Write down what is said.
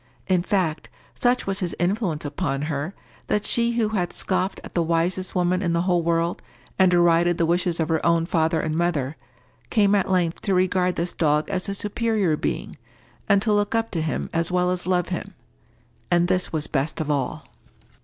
In fact, such was his influence upon her, that she who had scoffed at the wisest woman in the whole world, and derided the wishes of her own father and mother, came at length to regard this dog as a superior being, and to look up to him as well as love him. And this was best of all.